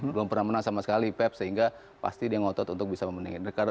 belum pernah menang sama sekali pep sehingga pasti dia ngotot untuk bisa memenangkan